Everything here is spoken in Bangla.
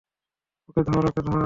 ওকে ধর, ওকে ধর!